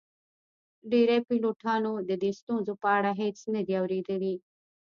ډیری پیلوټانو د دې ستونزو په اړه هیڅ نه دي اوریدلي